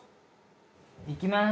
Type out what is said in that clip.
いきます。